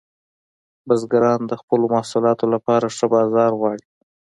بزګران د خپلو محصولاتو لپاره ښه بازار غواړي.